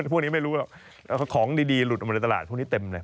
พวกนี้ไม่รู้หรอกของดีหลุดออกมาในตลาดพวกนี้เต็มเลย